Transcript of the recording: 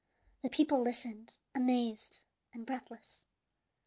The people listened, amazed and breathless.